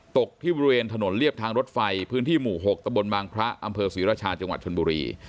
ตกที่บริเวณถนนเรียบทางรถไฟพื้นที่หมู่๖ตะบนบางพระอำเภอศรีราชาจังหวัดชนบุรี